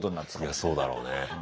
いやそうだろうね。